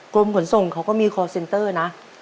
กรมขนส่งเขาก็มีคอร์เซ็นเตอร์นะ